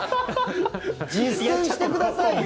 実践してくださいよ！